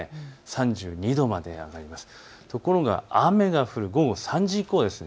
３２度まで上がります。